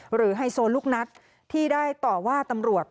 ไฮโซลูกนัดที่ได้ต่อว่าตำรวจ